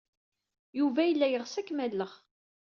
Yuba yella yeɣs ad kem-alleɣ.